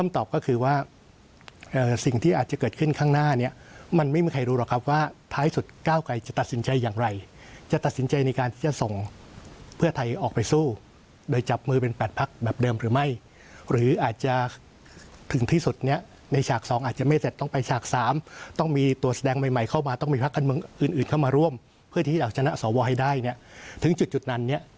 ดูแล้วครับว่าท้ายสุดก้าวไกลจะตัดสินใจอย่างไรจะตัดสินใจในการที่จะส่งเพื่อไทยออกไปสู้โดยจับมือเป็นแปดพักแบบเดิมหรือไม่หรืออาจจะถึงที่สุดเนี้ยในฉากสองอาจจะไม่เสร็จต้องไปฉากสามต้องมีตัวแสดงใหม่ใหม่เข้ามาต้องมีภาคกันเมืองอื่นอื่นเข้ามาร่วมเพื่อที่จะชนะสวให้ได้เนี้ยถึงจุดจุดน